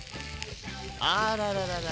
あららららら。